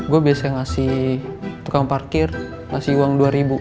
gue biasanya ngasih tukang parkir ngasih uang rp dua